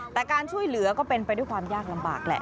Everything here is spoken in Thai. แต่การช่วยเหลือก็เป็นไปด้วยความยากลำบากแหละ